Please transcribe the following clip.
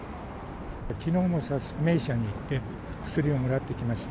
きのうも目医者に行って、薬をもらってきました。